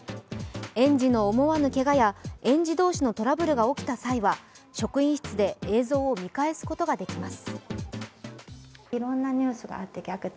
園児の思わぬけがや園児同士のトラブルが起きた際には職員室で映像を見返すことができます。